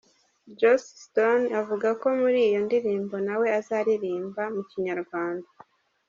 Josi sitone avuga ko muri iyo ndirimbo nawe azaririmba mu Kinyarwanda.